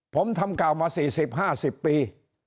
ผมทำเก่ามา๔๐๕๐ปี